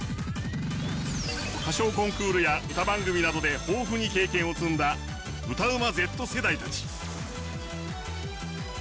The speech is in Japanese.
歌唱コンクールや歌番組などで豊富に経験を積んだ「ＭＯＯＮ